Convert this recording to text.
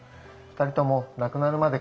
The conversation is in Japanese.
２人とも亡くなるまで